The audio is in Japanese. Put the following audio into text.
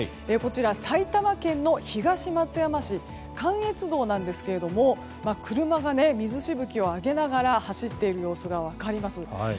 埼玉県の東松山市関越道ですが車が水しぶきを上げながら走っている様子が分かります。